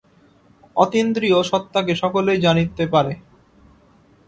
অতীন্দ্রিয় সত্তাকে সকলেই জানতে পারে।